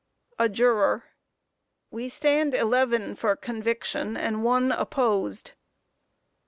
A JUROR: We stand 11 for conviction, and 1 opposed.